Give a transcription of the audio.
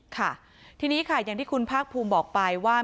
ค่ะทีนี้ค่ะอย่างที่คุณภาคภูมิบอกไปว่า